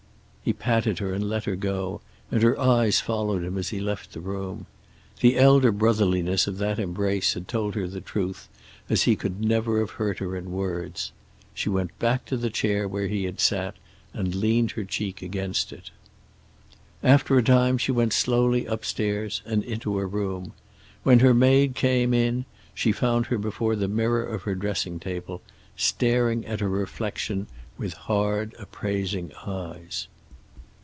He patted her and let her go, and her eyes followed him as he left the room. The elder brotherliness of that embrace had told her the truth as he could never have hurt her in words. She went back to the chair where he had sat, and leaned her cheek against it. After a time she went slowly upstairs and into her room. When her maid came in she found her before the mirror of her dressing table, staring at her reflection with hard, appraising eyes.